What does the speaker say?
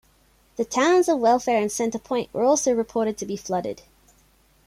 The towns of Welfare and Center Point were also reported to be flooded.